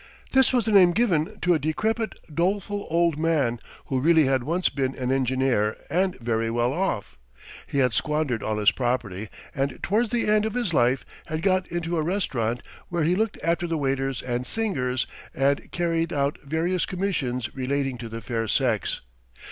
This was the name given to a decrepit, doleful old man who really had once been an engineer and very well off; he had squandered all his property and towards the end of his life had got into a restaurant where he looked after the waiters and singers and carried out various commissions relating to the fair sex.